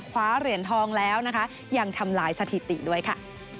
คว้าเหรียญทองแล้วนะคะยังทำลายสถิติด้วยค่ะ